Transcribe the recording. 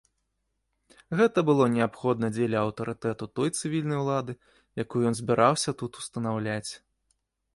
Гэта было неабходна дзеля аўтарытэту той цывільнай улады, якую ён збіраўся тут устанаўляць.